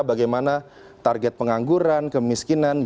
bagaimana target pengangguran kemiskinan